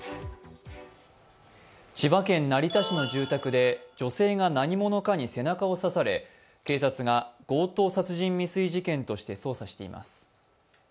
千葉県成田市の住宅で女性が何者かに背中を刺され、警察が強盗殺人未遂事件として捜査しています。